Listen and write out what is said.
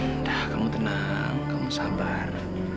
udah kamu tenang kamu sabar